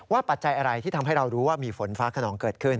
ปัจจัยอะไรที่ทำให้เรารู้ว่ามีฝนฟ้าขนองเกิดขึ้น